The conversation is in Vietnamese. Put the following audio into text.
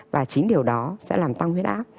và chính điều đó sẽ làm tăng huyết áp